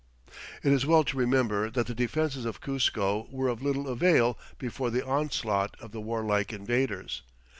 It is well to remember that the defenses of Cuzco were of little avail before the onslaught of the warlike invaders.